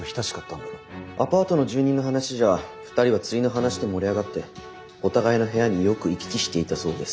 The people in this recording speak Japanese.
アパートの住人の話じゃ２人は釣りの話で盛り上がってお互いの部屋によく行き来していたそうです。